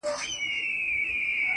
د خپل ښايسته خيال پر زرينه پاڼه~